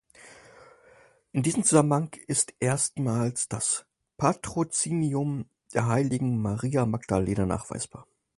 In diesem Zusammenhang ist erstmals das Patrozinium der Heiligen Maria Magdalena nachweisbar.